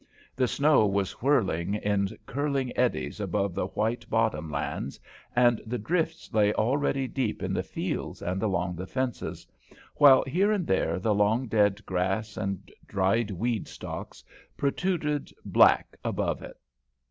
The snow was whirling in curling eddies above the white bottom lands, and the drifts lay already deep in the fields and along the fences, while here and there the long dead grass and dried weed stalks protruded black above it.